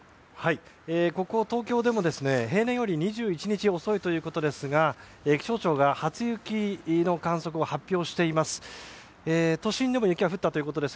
ここ東京でも、平年より２１日遅いということですが気象庁が初雪の観測を発表しています。